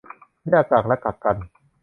แยกกักและกักกัน